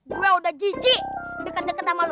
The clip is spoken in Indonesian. gue udah jijik deket deket sama lo